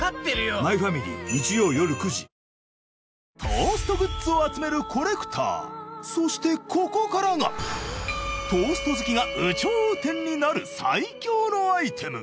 トーストグッズを集めるコレクターそしてここからがトースト好きが有頂天になる最強のアイテム